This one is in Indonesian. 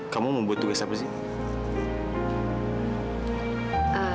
kamu mau buat tugas apa sih